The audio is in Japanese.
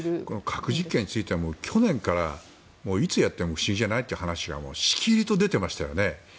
核実験については去年からいつやってもおかしくないという話がしきりと出てましたよね。